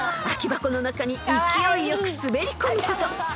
空き箱の中に勢いよく滑り込むこと］